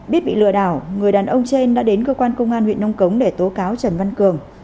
biết bị lừa đảo người đàn ông trên đã đến cơ quan công an huyện nông cống để tố cáo trần văn cường